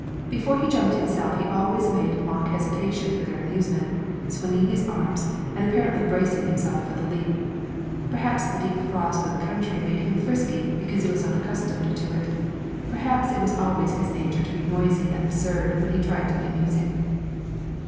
Before he jumped himself he always made mock hesitation for their amusement, swinging his arms, and apparently bracing himself for the leap. Perhaps the deep frost of the country made him frisky because he was not accustomed to it; perhaps it was always his nature to be noisy and absurd when he tried to be amusing.